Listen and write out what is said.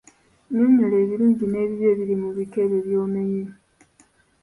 Nnyonnyola ebirungi n'ebibi ebiri mu bika ebyo by'omenye.